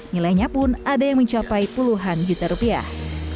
nilainya pun ada yang mencapai puluhan juta rupiah